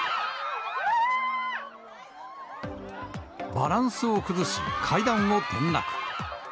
バランスを崩し、階段を転落。